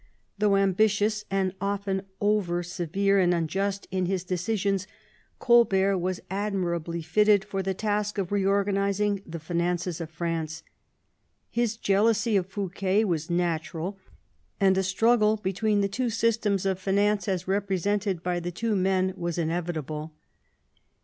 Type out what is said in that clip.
Though ambitious and often over Sf and unjust in his decisions, Colbert was admirably for the task of reorganising the finances of France, jealousy of Fouquet was natural, and a struggle b' the two systems of finance as represented by t' men was inevitable.